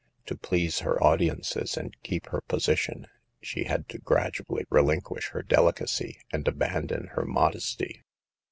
To please her audiences, and keep her position, she had to gradually relinquish her delicacy, and abandon her modesty.